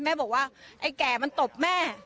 แม่บอกว่าไอ้แก่มันตบแม่